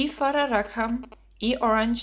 Farrar Rackham, E. Orange, N.